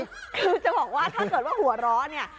คือจะบอกว่าถ้าเกิดว่าหัวเราะเนี่ย